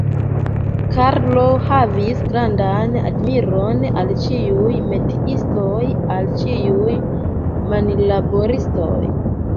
Karlo havis grandan admiron al ĉiuj metiistoj, al ĉiuj manlaboristoj.